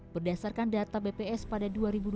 berdasarkan data bps pada dua ribu dua puluh